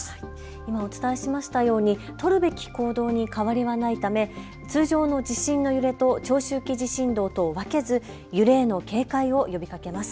今お伝えしましたように取るべき行動に変わりはないため通常の地震の揺れと長周期地震動とを分けず揺れへの警戒を呼びかけます。